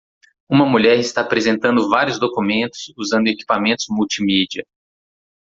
Uma mulher está apresentando vários documentos usando equipamentos multimídia.